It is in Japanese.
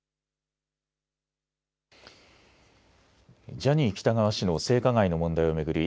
ジャニー喜多川氏の性加害の問題を巡り